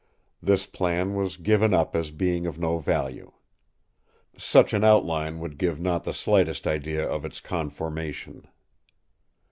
This plan was given up as being of no value. Such an outline would give not the slightest idea of its conformation.